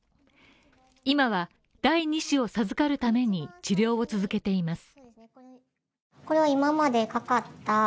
今は第２子を授かるために治療を続けています。